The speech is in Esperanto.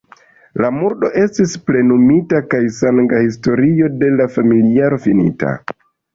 La murdo estis plenumita kaj sanga historio de la familiaro finita.